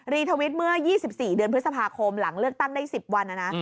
ทวิตเมื่อ๒๔เดือนพฤษภาคมหลังเลือกตั้งได้๑๐วันนะนะ